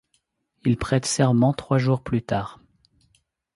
Il prête serment trois jours plus tard.